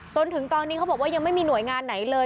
จนถึงตอนนี้เขาบอกว่ายังไม่มีหน่วยงานไหนเลย